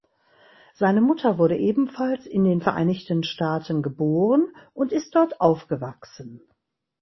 Seine Mutter wurde ebenfalls in den Vereinigten Staaten geboren und ist dort aufgewachsen.